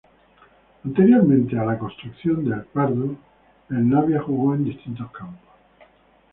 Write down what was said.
Anteriormente a la construcción de El Pardo el Navia jugó en distintos campos.